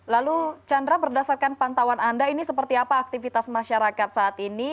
lalu chandra berdasarkan pantauan anda ini seperti apa aktivitas masyarakat saat ini